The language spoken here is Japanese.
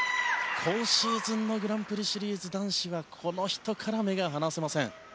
今シーズンのグランプリシリーズ男子はこの人から目が離せません。